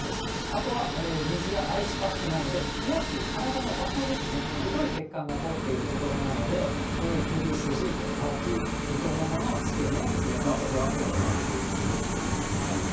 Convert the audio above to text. あとは水やアイスパックなどで冷やす体の場所ですね、太い血管が通っているところなので、首筋、わき、これ、あくまでも応急処置ということですね。